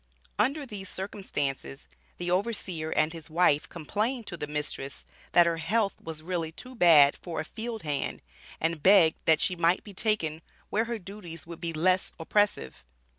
Under these circumstances, the overseer and his wife complained to the mistress that her health was really too bad for a field hand and begged that she might be taken where her duties would be less oppressive.